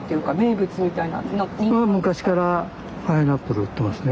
昔からパイナップル売ってますね。